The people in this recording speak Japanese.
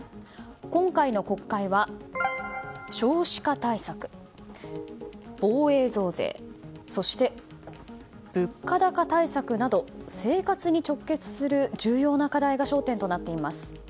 今回の国会は少子化対策防衛増税、そして物価高対策など生活に直結する重要な課題が焦点となっています。